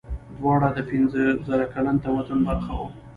دواړه د پنځه زره کلن تمدن برخه وو.